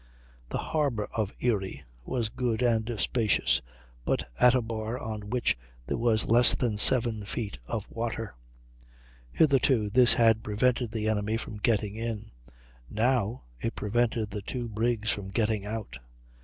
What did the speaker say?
The harbor of Erie was good and spacious, but had a bar on which there was less than seven feet of water. Hitherto this had prevented the enemy from getting in; now it prevented the two brigs from getting out.